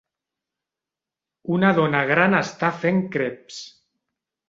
Una dona gran està fent creps.